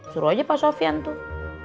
suruh aja pak sofian tuh